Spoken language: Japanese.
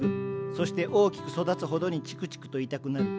そして大きく育つほどにチクチクと痛くなる。